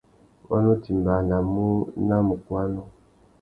Wá nú timbānamú nà mukuânô.